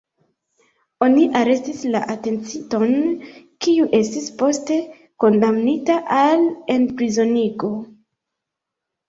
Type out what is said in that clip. Oni arestis la atencinton, kiu estis poste kondamnita al enprizonigo.